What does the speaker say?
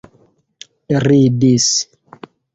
ridis